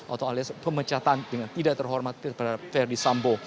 atau alias pemecatan dengan tidak terhormat terhadap verdi sambo